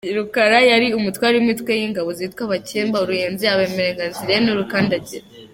Rukara yari umutware w’imitwe y’ingabo zitwa Abakemba, Uruyenzi, Abemeranzige n’Urukandagira.